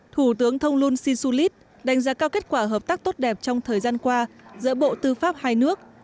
thủ tướng thông luân si su lít đánh giá cao kết quả hợp tác tốt đẹp trong thời gian qua giữa bộ tư pháp hai nước